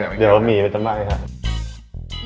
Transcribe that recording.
ไม่ครับเดี๋ยวมีมันจะไม่ครับ